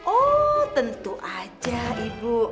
oh tentu aja ibu